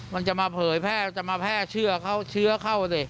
มันจะมาเผยแพร่จะมาแพร่เชื้อเข้า